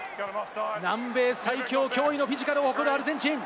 南米最強、脅威のフィジカルを誇るアルゼンチン。